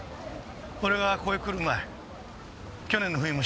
俺がここへ来る前去年の冬も１人死んだな。